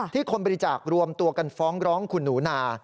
คนบริจาครวมตัวกันฟ้องร้องคุณหนูนา